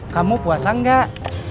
kamu puasa enggak